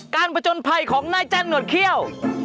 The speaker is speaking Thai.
การประจนภัยของนายแจ้นหนดเขี้ยว